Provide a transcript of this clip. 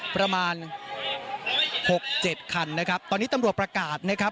ประมาณหกเจ็ดคันนะครับตอนนี้ตำรวจประกาศนะครับ